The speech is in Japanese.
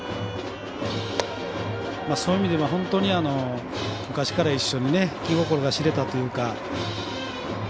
そういう意味では本当に昔から一緒に気心が知れたというか。